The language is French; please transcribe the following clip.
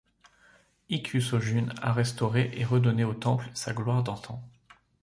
Ikkyū Sōjun a restauré et redonné au temple sa gloire d'antan.